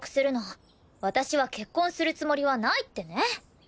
私は結婚するつもりはないってね。